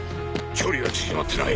距離は縮まってない。